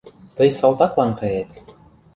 Тый салтаклан кает...